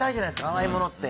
甘いものって。